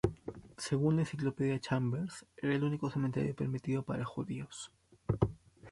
Según la Enciclopedia Chambers, era el único cementerio permitido para judíos.